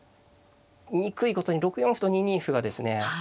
憎いことに６四歩と２二歩がですね